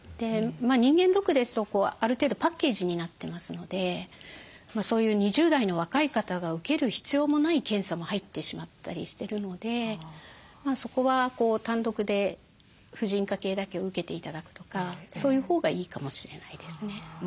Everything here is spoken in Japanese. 人間ドックですとある程度パッケージになってますのでそういう２０代の若い方が受ける必要もない検査も入ってしまったりしてるのでそこは単独で婦人科系だけを受けて頂くとかそういうほうがいいかもしれないですね。